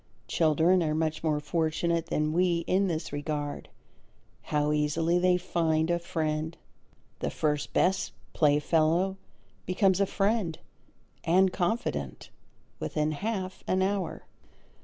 Children are much more fortunate than we in this regard. How easily they find a friend! The first best playfellow becomes a friend and confidant within half an hour.